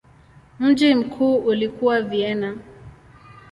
Mji mkuu ulikuwa Vienna.